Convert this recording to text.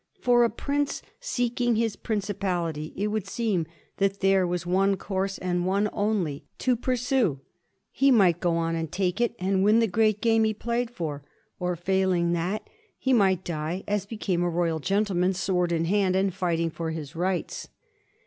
For a prince seeking his principality it would seem that there was one course, and one only, to pursue. He might go on and take it, and win the great game he played for ; or, failing that, he might die as be came a royal gentleman, sword in hand and fighting for his rights.